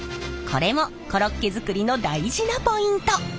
これもコロッケ作りの大事なポイント！